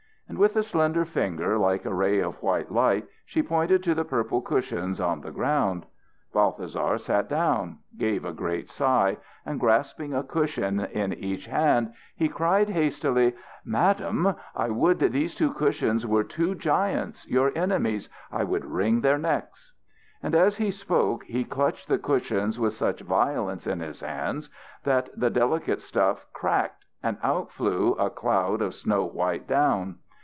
And with a slender finger like a ray of white light she pointed to the purple cushions on the ground. Balthasar sat down, gave a great sigh, and grasping a cushion in each hand he cried hastily: "Madam, I would these two cushions were two giants, your enemies; I would wring their necks." And as he spoke he clutched the cushions with such violence in his hands that the delicate stuff cracked and out flew a cloud of snow white down.